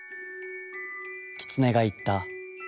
キツネが言った。